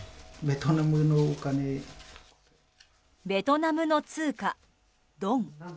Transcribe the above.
ベトナムの通貨、ドン。